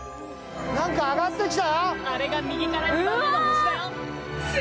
何か上がってきた？